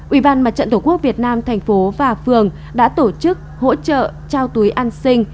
ủy ban mặt trận tổ quốc việt nam thành phố và phường đã tổ chức hỗ trợ trao túi an sinh